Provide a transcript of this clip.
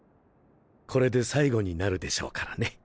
これで最後になるでしょうからね。